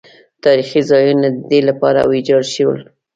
تاریخي ځایونه د دې لپاره ویجاړ شول.